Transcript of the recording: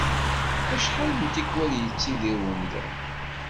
Acḥal n tikwal i yettidir umdan.